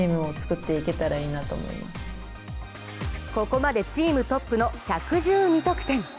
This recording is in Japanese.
ここまでチームトップの１１２得点。